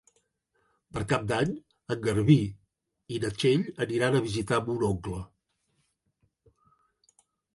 Per Cap d'Any en Garbí i na Txell aniran a visitar mon oncle.